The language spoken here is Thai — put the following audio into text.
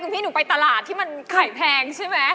พี่หนูไปตลาดที่มันไข่แพงใช่ไหม